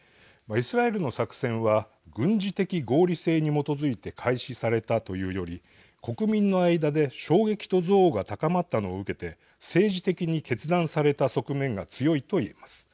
イスラエルの作戦は軍事的合理性に基づいて開始されたというより国民の間で衝撃と憎悪が高まったのを受けて政治的に決断された側面が強いと言えます。